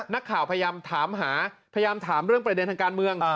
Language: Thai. นักข่าวพยายามถามหาพยายามถามเรื่องประเด็นทางการเมือง